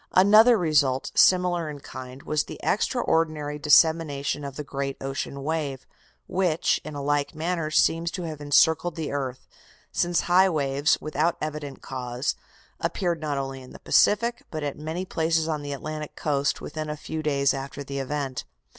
Another result, similar in kind, was the extraordinary dissemination of the great ocean wave, which in a like manner seems to have encircled the earth, since high waves, without evident cause, appeared not only in the Pacific, but at many places on the Atlantic coast within a few days after the event.